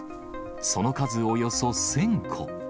その数およそ１０００個。